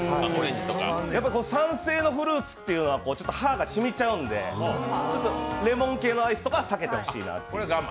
酸性のフルーツというのは歯がしみちゃうんで、レモン系のアイスとかは避けてほしいなと。